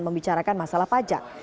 membicarakan masalah pajak